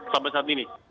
sampai saat ini